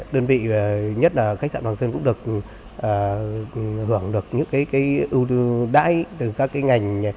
đơn vị nhất là khách sạn hoàng sơn cũng được hưởng được những ưu đáy từ các ngành